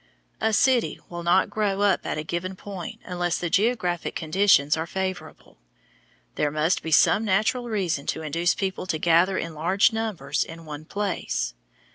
A city will not grow up at a given point unless the geographic conditions are favorable. There must be some natural reason to induce people to gather in large numbers in one place.